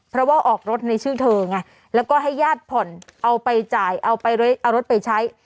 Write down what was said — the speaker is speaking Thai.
เพราะว่าออกรถในชื่อเธอไงแล้วก็ให้ญาติผ่อนเอาไปจ่ายเอาไปเอารถไปใช้